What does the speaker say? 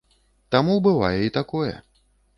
Таму бывае і такое.